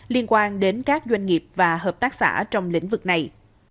liên quan đến các doanh nghiệp và hợp tác xã trong lĩnh vực này